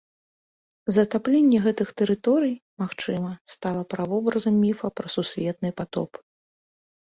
Затапленне гэтых тэрыторый, магчыма, стала правобразам міфа пра сусветны патоп.